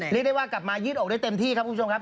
เรียกได้ว่ากลับมายืดอกได้เต็มที่ครับคุณผู้ชมครับ